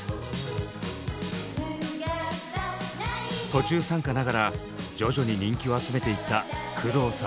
途中参加ながら徐々に人気を集めていった工藤さん。